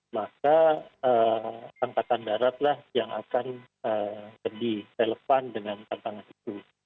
maka angkatan darat lah yang akan lebih relevan dengan tantangan itu